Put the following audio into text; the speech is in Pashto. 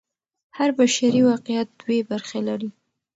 هر بشري واقعیت دوې برخې لري.